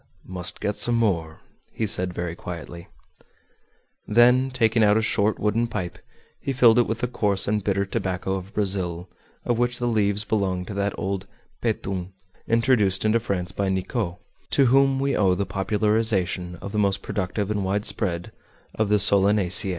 "Must get some more," he said very quietly. Then taking out a short wooden pipe, he filled it with the coarse and bitter tobacco of Brazil, of which the leaves belong to that old "petun" introduced into France by Nicot, to whom we owe the popularization of the most productive and widespread of the solanaceae.